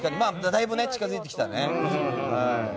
だいぶ近づいてきたね。